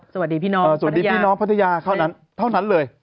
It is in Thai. สวัสดีพี่น้องสวัสดีพี่น้องพัทยาเท่านั้นเท่านั้นเลย